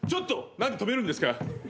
何で止めるんですか？